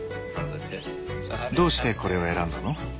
どうしてこれを選んだの？